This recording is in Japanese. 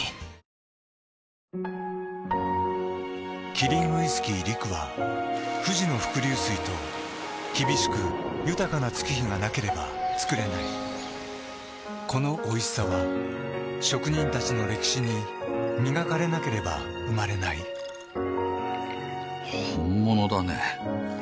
キリンウイスキー「陸」は富士の伏流水と厳しく豊かな月日がなければつくれないこのおいしさは職人たちの歴史に磨かれなければ生まれない本物だね。